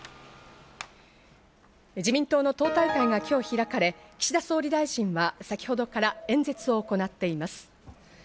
自民党の党大会が今日開かれ、岸田総理大臣は先ほどから演説を行っています。